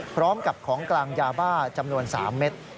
พร้อมกับของกลางยาบ้าจำนวน๓เม็ด